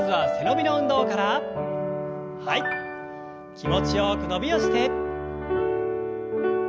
気持ちよく伸びをして。